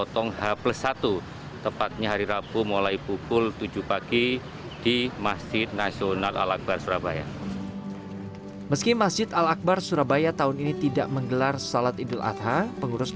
terima kasih pak presiden